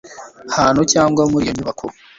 hantu cyangwa muri iyo nyubako